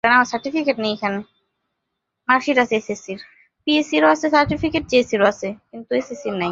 তাদের সেই হুমকির ফলে তৌহিদের ওপর এমন বর্বরোচিত হামলা চালানো হলো।